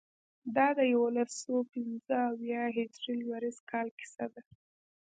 دا د یوسلو پنځه اویا هجري لمریز کال کیسه ده.